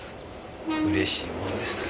嬉しいもんです。